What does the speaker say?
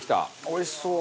おいしそう！